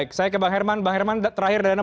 oke baik bang rahmat halo